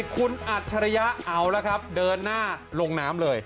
คุณอัจฉริยะเอาละครับเดินหน้าลงน้ำเลย